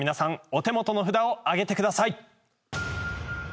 お手元の札を挙げてください。